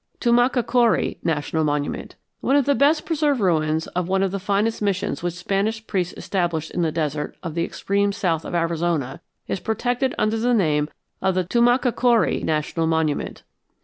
TUMACACORI NATIONAL MONUMENT One of the best preserved ruins of one of the finest missions which Spanish priests established in the desert of the extreme south of Arizona is protected under the name of the Tumacacori National Monument.